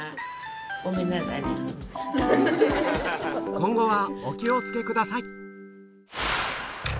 今後はお気を付けください